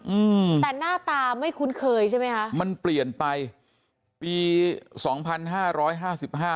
อืมแต่หน้าตาไม่คุ้นเคยใช่ไหมคะมันเปลี่ยนไปปีสองพันห้าร้อยห้าสิบห้า